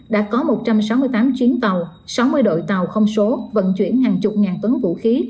đã có một trăm sáu mươi tám chuyến tàu sáu mươi đội tàu không số vận chuyển hàng chục ngàn tấn vũ khí